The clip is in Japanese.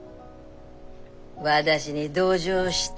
私に同情した？